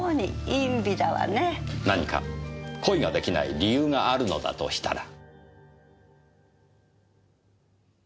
何か恋が出来ない理由があるのだとしたら。